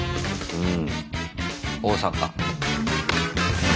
うん。